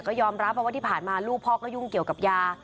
ก็ยอมรับว่าที่ผ่านมาลูกพ่อก็ยุ่งเกี่ยวกับยา